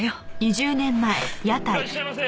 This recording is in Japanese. いらっしゃいませ。